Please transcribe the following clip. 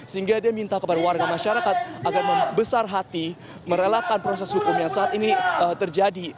sehingga dia minta kepada warga masyarakat agar membesar hati merelakan proses hukum yang saat ini terjadi